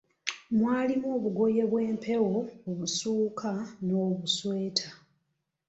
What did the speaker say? Mwalimu obugoye bw'empewo, obusuuka n'obusweta.